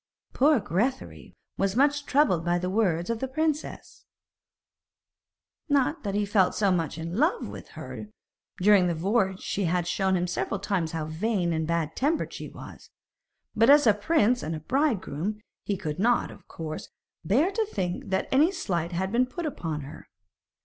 Poor Grethari was much troubled by the words of the princess. Not that he felt so very much in love with her, for during the voyage she had shown him several times how vain and bad tempered she was; but as a prince and a bridegroom, he could not, of course, bear to think that any slight had been put upon her.